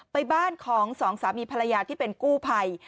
บ้านของสองสามีภรรยาที่เป็นกู้ภัย